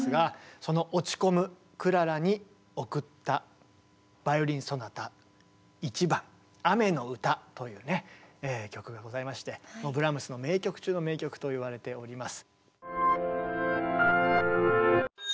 その落ち込むクララに贈ったバイオリン・ソナタ１番「雨の歌」という曲がございましてブラームスの名曲中の名曲といわれております。